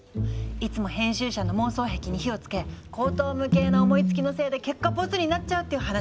いつも編集者の妄想癖に火をつけ荒唐無稽な思いつきのせいで結果ボツになっちゃうっていう話。